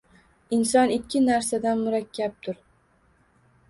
Inson ikki narsadan murakkabdur